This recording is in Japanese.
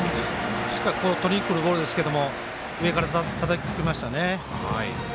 しっかりとりにくるボールですけど上からたたきつけましたね。